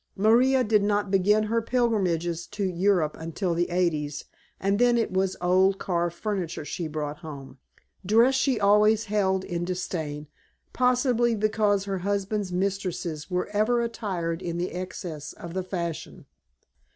Maria did not begin her pilgrimages to Europe until the eighties, and then it was old carved furniture she brought home; dress she always held in disdain, possibly because her husband's mistresses were ever attired in the excess of the fashion.